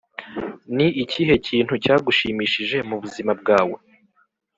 ni ikihe kintu cyagushimishije mu buzima bwawe?